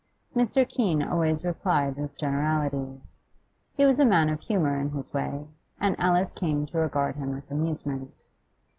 Mr. Keene always replied with generalities. He was a man of humour in his way, and Alice came to regard him with amusement.